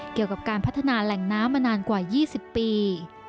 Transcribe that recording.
เกี่ยวกับการพัฒนาแหล่งน้ำมานานกว่า๒๐ปี